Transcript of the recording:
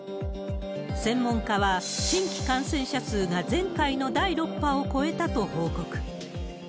専門家は、新規感染者数が前回の第６波を超えたと報告。